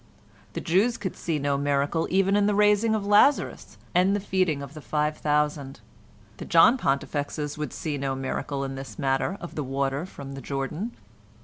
The Jews could see no miracle even in the raising of Lazarus and the feeding of the five thousand. The John Pontifexes would see no miracle in this matter of the water from the Jordan.